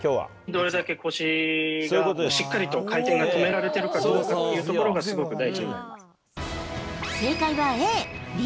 どれだけ腰が、しっかりと回転が止められてるかというところが、すごく大事にな正解はＡ。